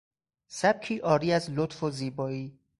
سبکی عاری از لطف و زیبایی